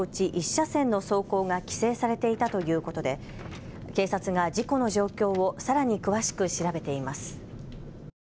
１車線の走行が規制されていたということで警察が事故の状況をさらに詳しく調べています。